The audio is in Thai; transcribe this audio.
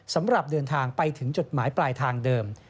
สำหรับเดินทางไปถึงจุดหมายปลายทางเดิม